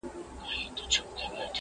چي خپل خوب ته مي تعبیر جوړ کړ ته نه وې،